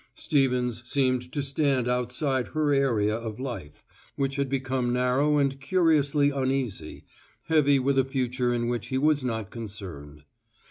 Stevens seemed to stand outside her area of life, which had become narrow and curiously uneasy, heavy with a future in which he was not concerned.